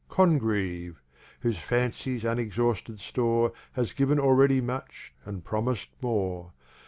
Congreve! whose Fancies unexhausted Store Has given already much, and promis'd more.